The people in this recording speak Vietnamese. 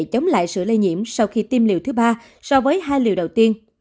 chống lại sự lây nhiễm sau khi tiêm liều thứ ba so với hai liều đầu tiên